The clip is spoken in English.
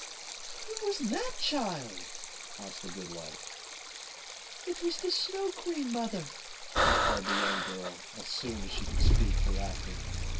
"Who was she, child?" asked the good wife. "It was the Snow Queen, mother," replied the young girl, as soon as she could speak for laughing.